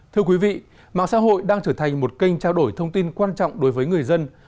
thưa quý vị mạng xã hội đang trở thành một kênh trao đổi thông tin quan trọng đối với người dân